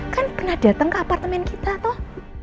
kan pernah datang ke apartemen kita toh